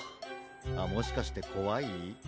あっもしかしてこわい？